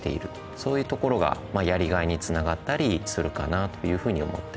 そういうところがやりがいにつながったりするかなというふうに思ってます。